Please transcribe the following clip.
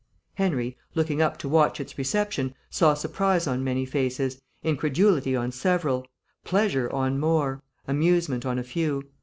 Henry, looking up to watch its reception, saw surprise on many faces, incredulity on several, pleasure on more, amusement on a few.